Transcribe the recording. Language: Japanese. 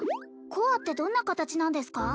コアってどんな形なんですか？